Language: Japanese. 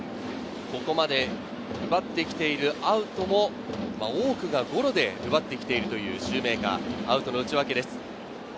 ここまで奪ってきてるアウトも、多くがゴロで奪って来ているというシューメーカー、アウトの内訳です。